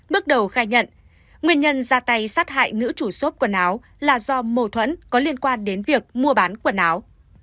bước đầu khai nhận nguyên nhân ra tay sát hại nữ chủ xốp quần áo là do mâu thuẫn có liên quan đến việc mua bán quần áo